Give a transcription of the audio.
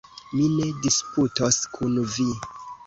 Mi ne disputos kun vi.